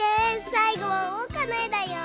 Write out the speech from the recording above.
さいごはおうかのえだよ。